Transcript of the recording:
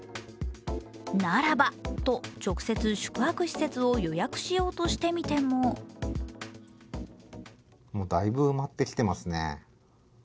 ならばと、直接宿泊施設を予約しようとしてみてもだいぶ埋まってきていますね。